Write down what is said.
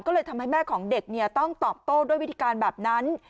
ก็เลยทำให้แม่ของเด็กต้องตอบโต้ด้วยวิธีการแบบนั้น